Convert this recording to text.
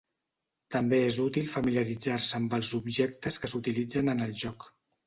També és útil familiaritzar-se amb els objectes que s'utilitzen en el joc.